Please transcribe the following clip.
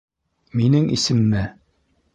— Минең исемме?